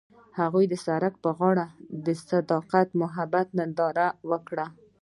هغوی د سړک پر غاړه د صادق محبت ننداره وکړه.